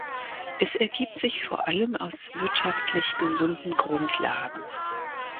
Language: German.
Es ergibt sich vor allem aus wirtschaftlich gesunden Grundlagen.